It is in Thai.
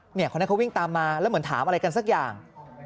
คนนั้นเขาวิ่งตามมาแล้วเหมือนถามอะไรกันสักอย่าง